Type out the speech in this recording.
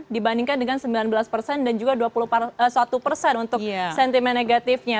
tiga puluh dibandingkan dengan sembilan belas dan juga dua puluh satu untuk sentimen negatifnya